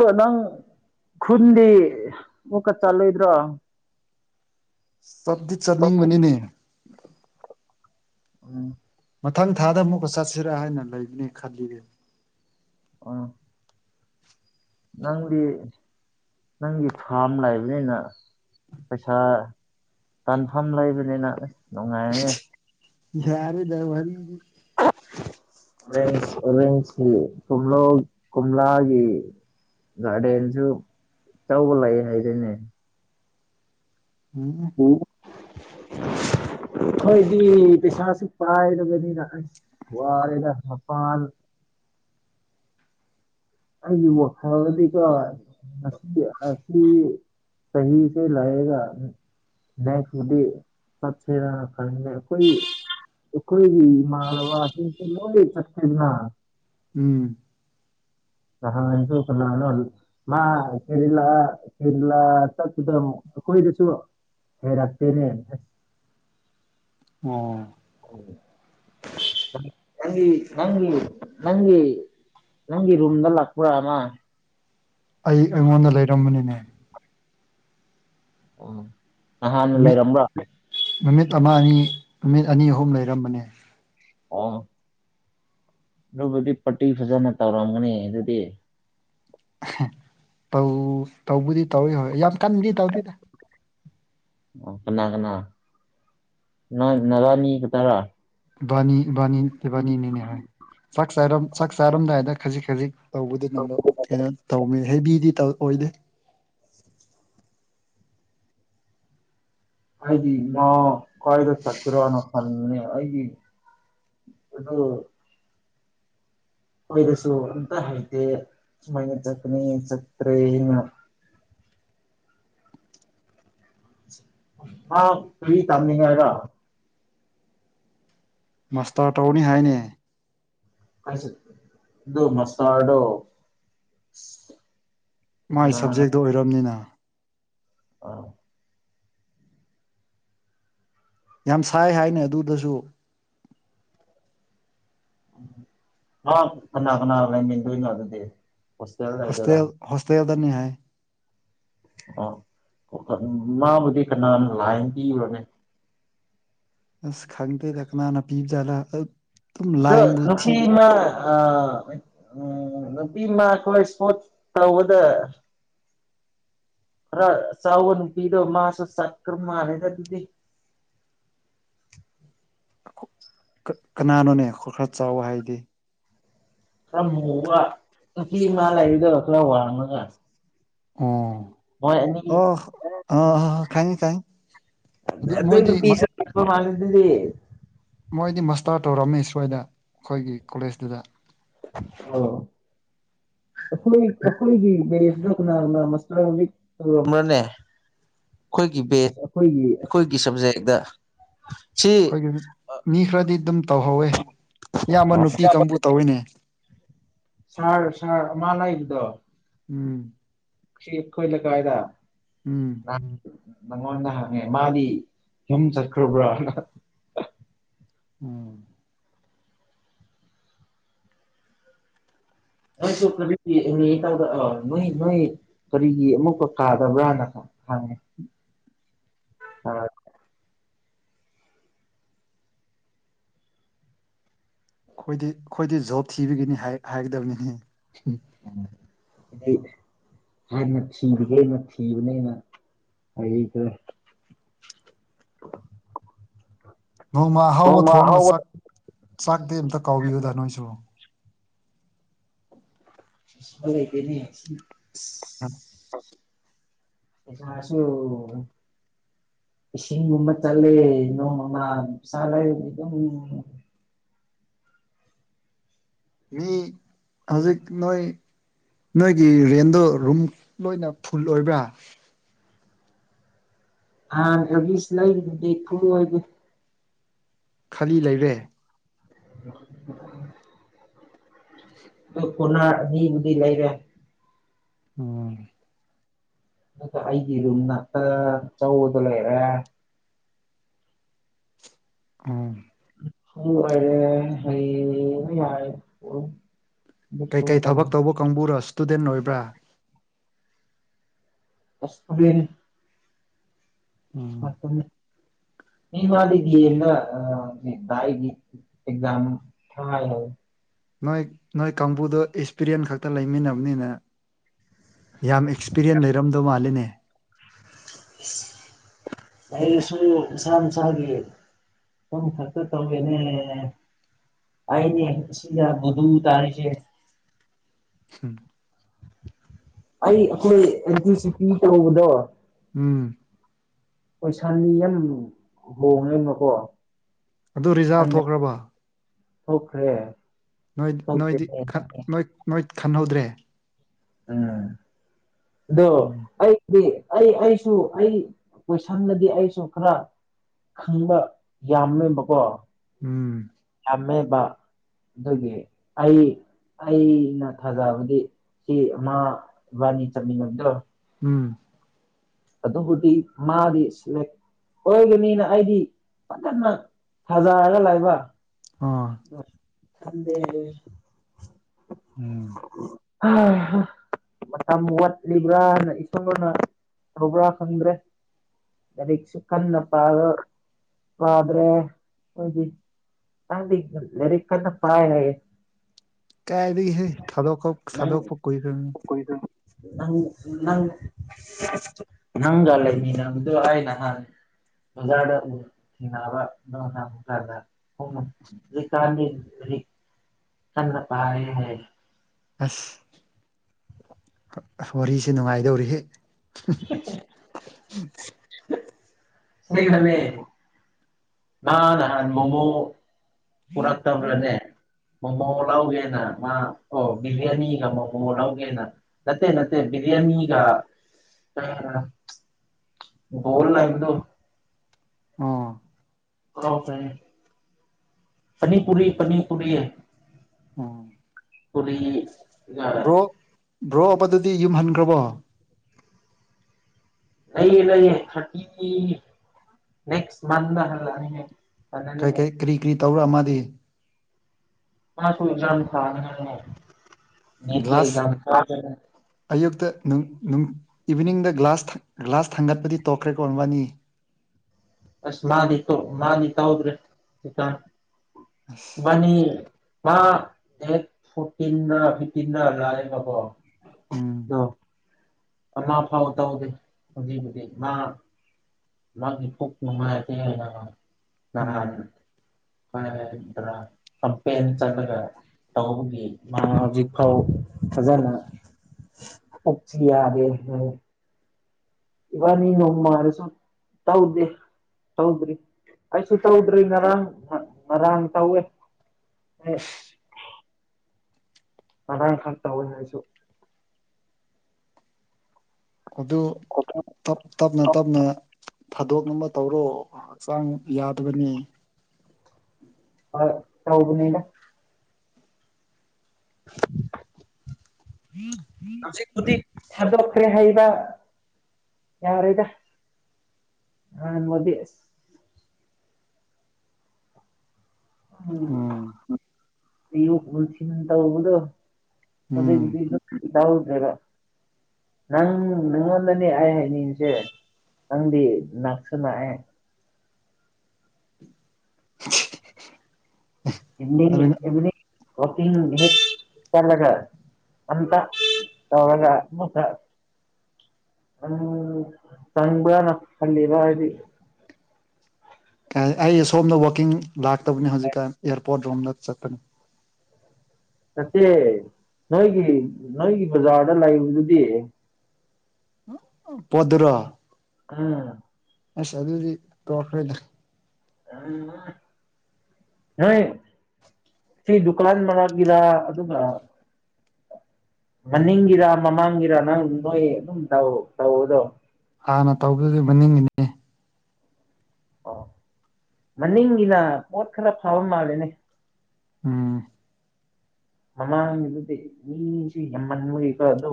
ꯑ ꯏ ꯅꯪ ꯈꯨꯟꯗꯤ ꯑꯣꯀ ꯆꯥꯂꯣꯏꯗ꯭ꯔꯣ ꯁꯞꯗꯤ ꯆꯠꯅꯤꯡꯕꯅꯤꯅꯦ ꯎꯝ ꯃꯊꯪ ꯊꯥꯗ ꯑꯃꯨꯛꯀ ꯆꯠꯁꯤꯔ ꯍꯥꯏꯅ ꯂꯩꯕꯅꯦ ꯈꯜꯂꯤꯔꯦ ꯑ ꯅꯪꯗꯤ ꯅꯪꯒꯤ ꯐꯥꯔꯝ ꯂꯩꯕꯅꯤꯅ ꯄꯩꯁꯥ ꯇꯥꯟꯐꯝ ꯂꯩꯕꯅꯤꯅꯍ ꯅꯨꯡꯉꯥꯏꯔꯅꯦ ꯌꯥꯔꯦꯗ ꯍꯗꯤ ꯔ ꯔꯁ ꯀꯂꯣ ꯀꯣꯂꯒꯤꯦ ꯒꯥꯔꯗꯦꯟꯁꯨ ꯇꯧꯕ ꯂꯩ ꯍꯥꯏꯗꯣꯏꯅꯦ ꯎꯝ ꯍꯣꯏꯗꯤ ꯄꯩꯁꯥꯁꯨ ꯄꯥꯏꯗꯅꯤ ꯂꯥꯛ ꯋꯥꯔꯗ ꯍꯥꯄꯥꯜ ꯑꯩꯒꯤ ꯋꯥꯈꯗꯤꯀ ꯍꯁꯤ ꯍꯥꯁꯤ ꯁꯍꯤꯁꯦ ꯂꯑꯒ ꯃꯗꯤ ꯈꯔ ꯀꯣꯏ ꯎꯈꯣꯏ ꯃꯥꯔꯋꯥ ꯂ ꯂꯩ ꯆꯛꯇꯅꯥ ꯎꯝ ꯁꯨꯂꯅ ꯃꯥ ꯀꯔꯤ ꯀꯔꯤꯂ ꯑ ꯀꯣꯏꯗꯁꯨ ꯍꯔꯥꯛꯇꯅꯦ ꯑꯣ ꯪ ꯅꯪ ꯅꯪ ꯅꯪ ꯔꯝꯗ ꯂꯥꯛꯄꯔꯃ ꯑꯩ ꯑꯩꯉꯣꯟꯗ ꯂꯩꯔꯝꯕꯅꯤꯅꯦ ꯎ ꯅꯍꯥꯟꯅ ꯅꯨꯃꯤꯠ ꯂꯩꯔꯝꯕ꯭ꯔꯣ ꯅꯨꯃꯤꯠ ꯑꯃ ꯑꯅꯤ ꯅꯨꯃꯤꯠ ꯑꯅꯤ ꯑꯍꯨꯝ ꯂꯩꯔꯝꯕꯅꯦ ꯑꯥ ꯑꯗꯨꯕꯨꯗꯤ ꯄꯇꯤ ꯐꯖꯅ ꯇꯧꯔꯝꯒꯅꯤ ꯑꯗꯨꯗꯤ ꯇꯧ ꯇꯧꯕꯗꯤ ꯇꯧꯋꯤ ꯍꯣꯏ ꯌꯥꯝ ꯀꯟꯗꯤ ꯇꯧꯗꯗ ꯀꯅꯥ ꯀꯅꯥ ꯅ ꯅꯔꯅꯤ ꯀ ꯇꯔ ꯏꯕꯥꯅꯤ ꯏꯕꯥꯅꯤ ꯏꯕꯥꯅꯤꯅꯤꯅꯦ ꯍꯣꯏ ꯆꯥꯛ ꯆꯥꯔꯝꯗꯥꯏꯗ ꯈꯖꯤꯛ ꯈꯖꯤꯛ ꯇꯧꯕꯗꯨ ꯅꯝꯕ ꯀꯩꯅꯣ ꯇꯧꯅꯤ ꯍꯩꯕꯤꯗꯤ ꯑꯣꯏꯗꯦ ꯑꯩꯗꯤ ꯃꯥ ꯀꯥꯏꯗ ꯆ ꯀꯔ ꯋꯥꯅ ꯈꯜꯅꯦ ꯑꯩꯗꯤ ꯑ ꯑꯣꯏꯣꯏꯗꯁꯨ ꯑꯇ ꯍꯥꯏꯇꯦ ꯁꯨꯃꯥꯏꯅ ꯆꯈꯅꯤ ꯆꯈ꯭ꯔꯦ ꯏꯅ ꯃꯥ ꯐꯔꯤ ꯇꯝꯅꯤꯡꯉꯒ ꯃꯥꯁꯇꯥꯔ ꯇꯧꯅꯤ ꯍꯥꯏꯅꯦ ꯑꯩꯁ ꯑꯗꯨꯣ ꯃꯁꯥꯗꯣ ꯃꯥꯏ ꯁꯕꯖꯦꯛꯇꯣ ꯑꯣꯏꯔꯕꯅꯤꯅ ꯑꯥ ꯌꯥꯝ ꯁꯥꯏ ꯍꯥꯏꯅ ꯑꯗꯨꯗꯁꯨ ꯑ ꯀꯅꯥ ꯀꯅꯥ ꯂ ꯃꯗ ꯂ ꯑꯗꯨꯗ ꯍꯁꯇ ꯍꯁꯇꯌꯥꯦꯜꯗꯅꯤ ꯍꯥꯏ ꯑ ꯃꯥꯕꯨꯗꯤ ꯀꯅꯥ ꯂꯥꯏꯅ ꯄꯤꯨꯔꯣꯅꯦ ꯑ ꯈꯪꯗꯗ ꯀꯅꯥꯅ ꯄꯤꯖꯥꯂ ꯅꯨꯄꯤꯅ ꯑ ꯎꯝ ꯅꯨꯄꯤꯃ ꯑꯩꯈꯣꯏ ꯏꯁꯄꯣꯔꯠ ꯇꯧꯕꯗ ꯑ ꯁꯥꯎꯅ ꯄꯤꯔꯣ ꯃꯥꯁꯨ ꯁꯀ꯭ꯔ ꯃꯥꯅꯦꯗꯤꯗꯤ [unintelligible] ꯀꯅꯥꯅꯣꯅꯦ ꯈꯔ ꯈꯔ ꯆꯥꯎꯕ ꯍꯥꯏꯗꯤ ꯑ ꯃꯨ ꯋꯥ ꯃꯥ ꯂꯩꯗ ꯑꯈꯂ ꯋꯥꯅꯒ ꯑꯣ ꯑꯣ ꯑ ꯈꯥꯏ ꯈꯥꯏ ꯑꯗꯨꯗ ꯅꯨ ꯄꯁ ꯃꯥꯗꯤ ꯃꯣꯏꯗꯤ ꯃꯁꯇꯥꯔ ꯇꯧꯔꯝꯃꯤ ꯁ꯭ꯋꯥꯏꯗ ꯑꯩꯈꯣꯏꯒꯤ ꯀꯣꯂꯦꯖꯇꯨꯗ ꯑꯣꯈꯈꯒꯤ ꯃ ꯃꯁ ꯃꯅꯦ ꯑꯩꯈꯣꯏꯒꯤ ꯕꯦꯁ ꯑꯩꯈꯣꯏꯒꯤ ꯑꯩꯈꯣꯏꯒꯤ ꯁꯕꯖꯦꯛꯇ ꯁꯤ ꯑꯩꯈꯣꯏꯒꯤ ꯃꯤ ꯈꯔꯗꯤ ꯑꯗꯨꯝ ꯇꯧꯍꯧꯋꯦ ꯏꯌꯥꯝꯕ ꯅꯨꯄꯤ ꯀꯥꯡꯕꯨ ꯇꯧꯋꯤꯅꯦ ꯁꯥꯔ ꯁꯔ ꯃꯥꯅꯗꯣ ꯎꯝ ꯣꯏ ꯏꯂ ꯀꯥꯏꯗ ꯎꯝ ꯅꯪꯉꯣꯟꯗ ꯍꯪꯉꯦ ꯃꯥꯗꯤ ꯌꯨꯝ ꯆꯠꯈ꯭ꯔꯕ꯭ꯔꯥꯅꯥ ꯎꯝ ꯅꯣꯏꯁꯨ ꯀꯔꯤ ꯇꯗ ꯅꯣꯏ ꯅꯣꯏ ꯀꯔꯤꯒꯤ ꯑꯃꯨꯛꯀꯥ ꯀꯥꯗꯕ꯭ꯔꯥꯅ ꯀ‌ꯣ [unintelligible] ꯑꯥ ꯑꯩꯈꯣꯏꯗꯤ ꯑꯩꯈꯣꯏꯗꯤ ꯖꯣꯕ ꯊꯤꯕꯒꯤꯅꯤ ꯍꯥꯏꯒꯗꯕꯅꯤꯅꯦ ꯑꯗꯤ ꯍꯥꯟꯅ ꯊꯤꯒꯦꯅ ꯊꯤꯕꯅꯦꯩꯅ ꯑꯩ ꯀ ꯅꯣꯡꯃ ꯑꯍꯥꯎꯕ ꯊꯣꯡꯒ ꯍꯧꯕ ꯆꯥꯛ ꯆꯥꯛꯇꯤ ꯑꯃꯝꯇ ꯀꯥꯎꯕꯤꯌꯨꯗ ꯅꯣꯏꯁꯨ ꯀꯅꯤ ꯎꯝ ꯁꯨ ꯏꯁꯤꯡꯁꯤꯡꯒꯨꯝꯕ ꯇ ꯂꯩꯣꯅ ꯆꯂꯝ ꯃꯤ ꯍꯧꯖꯤꯛ ꯅꯣꯏ ꯅꯣꯏꯒꯤ ꯔꯦꯟꯗꯣ ꯔꯨꯝ ꯂꯣꯏꯅ ꯐꯨꯜ ꯑꯣꯏꯕ꯭ꯔꯥ ꯍꯥꯥ ꯑꯦꯕꯤꯁ ꯂ ꯐ ꯑꯣꯏ ꯈꯂꯤ ꯂꯩꯔꯦ [unintelligible] ꯐꯅꯥ ꯑꯅꯤꯕꯨꯗꯤ ꯂꯩꯥꯏꯔꯦ ꯑꯣꯝ ꯑꯗꯨꯗꯥ ꯑꯩꯒꯤ ꯑꯗꯨꯨꯝ ꯉꯛꯇ ꯆꯧꯕꯗꯣ ꯂꯩꯔꯦ ꯎꯝ ꯍꯥ ꯑꯔꯦ ꯍ ꯌꯥꯔ ꯀꯩꯀꯩ ꯊꯕꯛ ꯇꯧꯕ ꯀꯥꯡꯕꯨꯔꯣ ꯏꯁꯇꯨꯗꯦꯟ ꯑꯣꯏꯕ꯭ꯔꯥ ꯑꯁꯤꯟ ꯎꯝ ꯃꯥꯄ ꯃꯤ ꯃꯥꯗꯤꯗꯤ ꯑꯦꯛꯖꯝ ꯊ ꯅꯣꯏ ꯅꯣꯏ ꯀꯥꯡꯕꯨꯗꯣ ꯑꯦꯛꯁꯄꯤꯔꯤꯌꯦꯟ ꯈꯛꯇ ꯂꯩꯃꯤꯟꯅꯕꯅꯤꯅꯦ ꯌꯥꯝ ꯑꯦꯛꯁꯄꯤꯔꯤꯌꯦꯟ ꯂꯩꯔꯝꯗꯧ ꯃꯥꯜꯂꯤꯅꯦ ꯑꯩ ꯁ ꯁꯝ ꯁꯥꯒꯤ ꯀꯝ ꯊꯒ ꯇꯧ ꯑꯦꯅꯦ ꯑꯁꯤ ꯇꯔꯁ ꯎꯝ ꯑꯩ ꯑꯩ ꯑꯈ‌ꯣꯏ [unintelligible] ꯎꯝ ꯄꯩꯁꯥꯅꯤ ꯌꯥꯝ ꯍꯣꯡꯉꯦꯃꯀꯣ ꯑꯗꯨ ꯔꯤꯖꯥꯚ ꯊꯣꯛꯈ꯭ꯔꯕ ꯑꯣꯈ꯭ꯔꯦ ꯅꯣꯏ ꯅꯣꯏꯗꯤ ꯅꯣꯏ ꯈꯟꯍꯧꯗ꯭ꯔꯦ ꯎꯝ ꯑꯗꯣ ꯎꯝ ꯑꯩꯗꯤ ꯑꯩ ꯑꯩꯁꯨ ꯑꯩ ꯀꯣꯏꯁꯟꯗꯗꯤ ꯑꯩꯁꯨ ꯈꯔ ꯈꯪꯕ ꯌꯥꯝꯃꯦꯕꯀꯣ ꯎꯝ ꯃꯃꯦꯕ ꯑꯗꯨꯒꯤ ꯑꯩ ꯑꯩꯅ ꯊꯥꯖꯕꯗꯤ ꯁꯤ ꯃꯥꯥ ꯏꯕꯥꯅꯤ ꯆꯠꯃꯤꯉꯝꯗꯣ ꯎꯝ ꯑꯗꯣ ꯍꯧꯇꯤ ꯃꯥꯗꯁ ꯑꯣꯏꯒꯅꯤꯅ ꯑꯩꯗꯤ ꯐꯖꯅ ꯊꯖꯔꯒ ꯂꯥꯛꯕ ꯑꯣ ꯊꯗꯦ ꯎꯝ ꯍ ꯃꯇꯝ ꯋꯥꯠꯂꯤꯕ꯭ꯔꯥꯅ ꯏꯁꯣꯔꯅ ꯇꯧꯕ꯭ꯔꯥ ꯈꯪꯗ꯭ꯔꯦ ꯂꯥꯏꯔꯤꯛꯁꯨ ꯀꯟꯅ ꯄꯥꯕ ꯄꯥꯗ꯭ꯔꯦ ꯑꯩꯈꯣꯏꯗꯤ ꯇꯗꯤ ꯂꯩꯔ ꯀꯅ ꯄꯔꯦ ꯀꯥꯏꯔꯤ ꯍꯦ ꯊꯗꯣ ꯊꯗꯣꯛꯣꯏ ꯀꯅꯤ ꯅꯪ ꯅꯪ ꯅꯪꯒꯥꯂꯦ ꯃꯤ ꯅꯪꯗ ꯍꯥꯏꯅ ꯍꯪ ꯃꯖ ꯀꯥꯟ ꯀ ꯄꯥꯦ ꯍꯥꯏ ꯑꯁ ꯋꯥꯔꯤꯁꯦ ꯅꯨꯡꯉꯥꯏꯗꯧꯔꯤꯍꯦ ꯎ ꯁꯤꯩ ꯍꯅꯦ ꯅꯍꯥꯟ ꯅꯍꯥꯟ ꯃꯣꯃꯣ ꯄꯨꯔꯛꯇꯕꯂꯅꯦ ꯃꯣꯃꯣ ꯂꯎꯒꯦꯅ ꯃꯥ ꯑꯣ ꯕꯤꯔꯌꯥꯅꯤꯒ ꯃꯣꯃꯣꯣ ꯂꯥꯎꯒꯦ ꯅꯠꯇꯦ ꯅꯅꯥꯠꯇꯌꯥ ꯕꯤꯔꯌꯥꯅꯤꯒ ꯀ ꯣꯜꯅ ꯏꯗꯨ ꯑ ꯄꯅꯤꯄꯨꯔꯤ ꯄꯅꯤꯄꯔꯤ ꯑ ꯄꯨꯔꯤ ꯉꯣ ꯕ꯭ꯔꯣꯕꯗꯨꯗꯤ ꯌꯨꯝꯍꯟꯈ꯭ꯔꯕꯣ ꯂꯩ ꯂꯩꯌꯦ ꯊꯁ ꯀꯔꯤ ꯀꯔꯤ ꯀꯔꯤ ꯀꯔꯤ ꯇꯧꯕꯔ ꯃꯥꯗꯤ ꯃꯥꯁꯨ ꯑꯦꯖꯝ ꯊꯖꯝ ꯒ꯭ꯂꯥꯁ ꯑꯌꯨꯛꯇ ꯏꯚꯤꯅꯤꯡꯗ ꯒ꯭ꯂꯥꯁ ꯒ꯭ꯂꯥꯁ ꯊꯥꯡꯒꯠꯄꯗꯤ ꯇꯣꯛꯈ꯭ꯔꯦ ꯀꯣꯟꯕꯥꯅꯤ ꯑꯁ ꯃꯥꯅꯤ ꯀ ꯃꯥꯅꯤꯛ ꯍꯎꯗ꯭ꯔꯦ ꯀ ꯃꯥꯅꯤ ꯃꯥ ꯗꯦ ꯐꯇꯤꯟ ꯐꯇꯤꯟ ꯂꯑꯣ ꯎꯝ ꯑꯃ ꯐꯥꯎ ꯇꯧꯗꯦ ꯍꯧꯖꯤꯛ ꯍꯧꯖꯤꯛ ꯃꯥ ꯃꯥ ꯈ ꯅꯣꯡꯉꯥꯏꯉ ꯎꯝ ꯀ꯭ꯔ ꯀꯄ ꯆꯂꯒ ꯇꯒꯤ ꯃꯥ ꯍꯧꯖꯤꯛ ꯐꯥꯎ ꯐꯖꯅ ꯑꯣꯆ ꯌꯥꯗꯦ ꯏꯕꯥꯅꯤ ꯅꯣꯡꯃꯥꯔꯁꯨ ꯇꯧꯗꯦ ꯇꯧꯗ꯭ꯔꯤ ꯑꯩꯁꯨ ꯇꯧꯗ꯭ꯔꯤ ꯉꯔꯥꯡ ꯉꯔꯥꯡ ꯇꯧꯋꯦ ꯑꯅꯥꯥꯡ ꯈꯥꯛ ꯇ ꯑꯣꯏ ꯍꯥꯏꯁꯨ ꯑꯗꯨꯞ ꯇꯞꯅ ꯇꯞꯅ ꯊꯥꯗꯣꯛꯅꯕ ꯇꯧꯔꯣ ꯍꯛꯆꯥꯡ ꯌꯥꯗꯕꯅꯤ ꯑ ꯇꯥꯎꯕꯅꯤꯅ [inaudible] ꯎꯝ ꯍꯧꯖꯤꯛꯄꯗꯤ ꯊꯥꯗꯣꯛꯈ꯭ꯔꯦ ꯍꯥꯏꯕ ꯌꯥꯔꯦꯗ ꯑꯥꯟ ꯃꯗꯤ ꯎꯝ ꯏ ꯄꯨꯣꯁꯤ ꯅ ꯇꯕꯨꯗꯣ ꯑꯗ ꯎꯝ ꯑꯗꯨ ꯌꯥꯎꯗꯔ ꯅꯪ ꯅꯪꯉꯣꯟꯗꯅꯦ ꯍꯥꯏ ꯍꯥꯏꯅꯤꯡꯁꯦ ꯅꯪꯗꯤ ꯅꯥꯥꯛꯁꯅꯑꯦ [inaudible] ꯑꯗꯨ [inaudible] ꯑꯇ ꯇꯒ ꯎꯝ ꯇꯪꯅ ꯐꯜꯂꯤꯕꯗꯤ ꯑꯩ ꯁꯣꯝꯗ ꯋꯥꯛꯀꯤꯡ ꯂꯥꯛꯇꯕꯅꯤ ꯍꯧꯖꯤꯛꯀꯥꯟ ꯑꯦꯌꯥꯔꯄꯣꯔꯠ ꯔꯣꯝꯗ ꯆꯠꯄꯅꯦ ꯅꯠꯇꯦ ꯅꯣꯏꯒꯤ ꯅꯣꯏꯒꯤ ꯕꯖꯥꯔꯗ ꯂꯩꯕꯗꯨꯗꯤ ꯄꯗ꯭ꯔ ꯑꯝ ꯑꯁ ꯑꯗꯨꯗꯤ ꯇꯣꯈꯗ ꯑ ꯅꯣꯏ ꯁꯤ ꯗꯨꯀ꯭ꯂꯥꯟ ꯃꯒꯤꯔ ꯑꯗꯨꯒ ꯃꯅꯤꯡꯒꯤꯔꯥ ꯃꯃꯥꯡꯒꯤꯔꯥ ꯅꯪ ꯅꯣꯏ ꯑꯗꯨꯝ ꯇꯧꯗꯣ ꯑ ꯅ ꯇꯧꯕꯗꯨꯗꯤ ꯅꯤꯡꯉꯅꯦ ꯑꯣ ꯃꯅꯤꯡꯒꯤꯅ ꯄꯣꯠ ꯈꯔ ꯐꯕ ꯃꯥꯜꯂꯦꯅꯦ ꯑꯝ ꯃꯃꯥꯡꯉꯗꯗꯤ ꯃꯤꯁꯨ ꯌꯥꯝꯃꯟꯉꯀꯣ ꯑꯗꯨ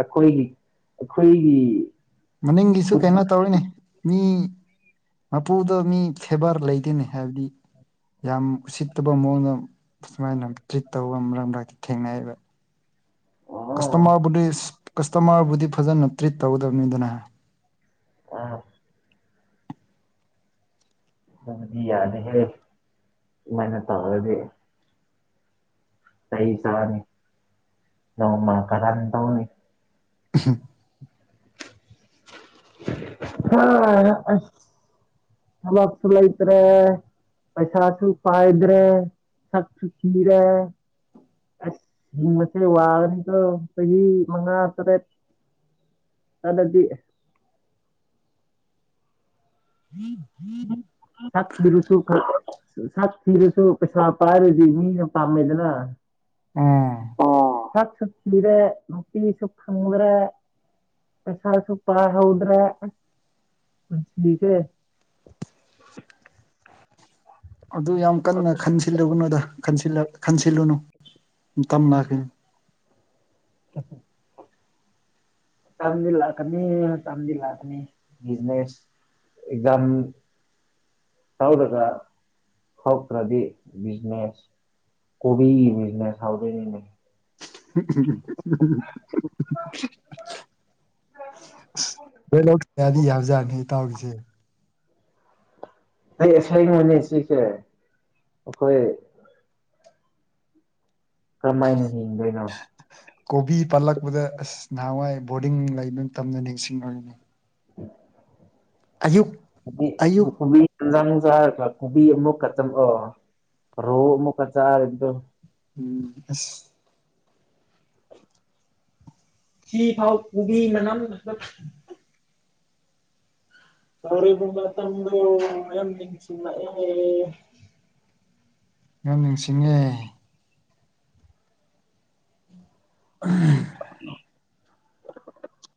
ꯑꯩꯈꯣꯏꯒꯤ ꯑꯩꯈꯣꯏꯒꯤ ꯃꯅꯤꯡꯒꯤꯁꯨ ꯈꯨꯟ ꯀꯩꯅꯣ ꯇꯧꯔꯤꯅꯦ ꯃꯤ ꯃꯄꯨꯗ ꯃꯤ ꯐꯦꯕꯔ ꯂꯩꯗꯅꯤ ꯍꯥꯏꯕꯗꯤ ꯌꯥꯝ ꯎꯁꯤꯠꯇꯕ ꯃꯑꯣꯡꯗ ꯁꯨꯃꯥꯏꯅ ꯇ꯭ꯔꯤꯠ ꯇꯧꯕ ꯃꯔꯛ ꯃꯔꯛꯇ ꯊꯦꯡꯅꯩꯌꯦꯕ ꯑꯣ ꯇꯃꯕꯨꯗꯤ ꯐꯖꯅ ꯇ꯭ꯔꯤꯠ ꯇꯧꯒꯗꯕꯅꯤꯗꯅ ꯍꯥꯏ ꯑ ꯑꯗꯨꯗꯤ ꯌꯥꯗꯦꯍꯦ ꯑꯗꯨꯃꯥꯏꯅ ꯇꯥꯔꯗꯤ ꯇꯩ ꯆꯅꯤ ꯅꯃ ꯀꯔ ꯇꯧꯅꯤ [unintelligible] ꯍ ꯑ ꯊꯃꯞꯁꯨꯂꯥꯏꯇ꯭ꯔꯦ ꯄꯩꯁꯥꯁꯨ ꯄꯥꯏꯗ꯭ꯔꯦ ꯁꯛꯁꯨ ꯀꯤꯔꯦ ꯑꯁ ꯍꯤꯡꯕꯁꯦ ꯋꯥꯔꯅꯤꯗꯣ ꯆꯍꯤ ꯃꯉꯥ ꯇꯔꯦꯠ ꯑꯗꯗꯤꯗꯤ ꯊꯛꯄꯤꯤꯔ ꯁꯨ ꯈꯔ ꯁꯥꯊꯤꯔꯁꯨꯣ ꯄꯩꯁꯥꯄꯔꯨꯗꯤ ꯃꯤꯅ ꯄꯥꯝꯃꯦꯗꯅ ꯎꯝ ꯆꯥꯛꯁꯨ ꯊꯤꯔꯦ ꯅꯨꯡꯄꯤꯤꯁꯨ ꯐꯪꯗ꯭ꯔꯦ ꯄꯁ ꯁꯣꯄ ꯍꯗ꯭ꯔꯦꯟꯁꯤꯁꯦ [unintelligible] ꯑꯗꯨ ꯌꯥꯝ ꯀꯟꯅ ꯈꯟꯁꯤꯜꯂꯤ ꯂꯨꯒꯅꯨꯗ ꯈꯟꯁꯤꯜꯂꯨꯅꯨ ꯇꯝ ꯂꯥꯛ ꯎ ꯇꯝꯗꯤ ꯂꯥꯛꯀꯅꯤ ꯇꯝꯗꯤ ꯂꯥꯛꯀꯅꯤꯕꯤꯖꯤꯅꯦꯁ ꯑꯦꯛꯖꯝ ꯊꯥꯎ ꯇꯀ ꯍꯧꯠꯇ꯭ꯔꯗꯤ ꯕꯤꯖꯤꯅꯦꯁ ꯀꯣꯕꯤꯒꯤ ꯕꯤꯖꯤꯅꯦꯁ ꯍꯧꯗꯣꯏꯅꯤꯅꯦ [unintelligible] ꯑꯣꯏ ꯂꯧꯗꯤ ꯌꯥꯕꯖꯥꯠꯅꯤ ꯑꯩ ꯇꯧꯔꯤꯁꯦ ꯑꯩꯁ ꯃꯅꯦ ꯆꯁꯦ ꯑꯩꯈꯣꯏ ꯀꯃꯥꯏꯅ ꯍꯤꯡꯗꯣꯏꯅꯣ ꯀꯣꯕꯤ ꯄꯥꯜꯂꯛꯄꯗ ꯑꯁ ꯅꯍꯥꯟꯋꯥꯏ ꯕꯣꯔꯗꯤꯡ ꯂꯩꯕ ꯃꯇꯝꯝꯅ ꯅꯤꯡꯁꯤꯡꯉꯨꯔꯅꯤ ꯎꯝ ꯑ ꯑꯌꯨꯛ ꯟꯖ ꯅꯨꯡ ꯆꯥ ꯍꯥꯏꯔꯀ ꯈꯨꯣꯕꯤ ꯑꯃꯨꯛꯀ ꯆ ꯔꯣ ꯑꯃꯨꯛꯀ ꯆ ꯑꯗꯨꯣ ꯎꯝ ꯑꯁ ꯁꯤ ꯐꯥꯎ ꯀꯕꯤ ꯃꯅꯝ ꯃ ꯑ ꯇꯁꯤ ꯌꯥꯝ ꯅꯤꯡꯁꯤꯡꯉꯦ ꯎꯝ ꯎ